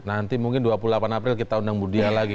nanti mungkin dua puluh delapan april kita undang budia lagi